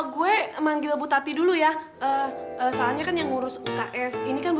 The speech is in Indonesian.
tunggu tunggu tunggu